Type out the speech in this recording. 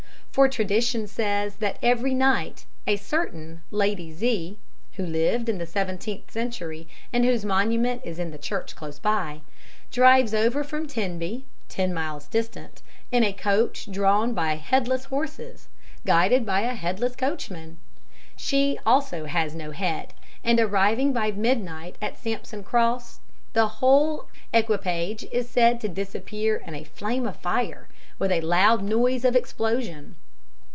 For tradition says that every night a certain Lady Z. (who lived in the seventeenth century, and whose monument is in the church close by) drives over from Tenby, ten miles distant, in a coach drawn by headless horses, guided by a headless coachman. She also has no head, and arriving by midnight at Sampson Cross, the whole equipage is said to disappear in a flame of fire, with a loud noise of explosion."